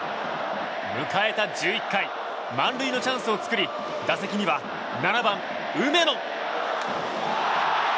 迎えた１１回満塁のチャンスを作り打席には７番、梅野。